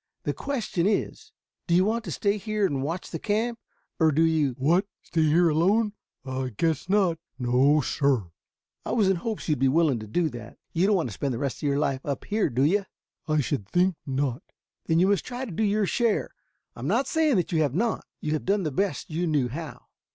The question is, do you want to stay here and watch the camp, or do you " "What! Stay here alone? I guess not. No, sir!" "I was in hopes you would be willing to do that. You don't want to spend the rest of your life up here, do you?" "I should think not." "Then you must try to do your share. I am not saying that you have not; you have done the best you knew how."